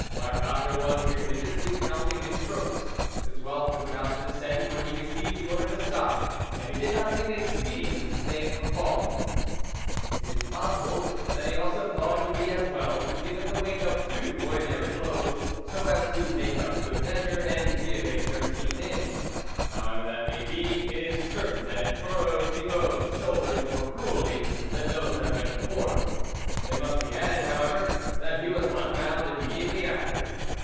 Marcotte was religiously counting his strokes ; the twelfth was about to descend when he received the order to stop, and he did not think it expedient to stay it from falling. It is possible that he also thought it would be as well to give it the weight of two ordinary blows, so as to make up good measure and give a thir teenth in ; however that may be, it is certain that it furrowed Thibault's shoul ders more cruelly than those that went before. It must be added, however, that he was unbound immediately after.